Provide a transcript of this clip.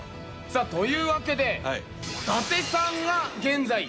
さあというわけで伊達さんが現在１位。